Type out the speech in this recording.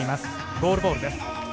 ゴールボールです。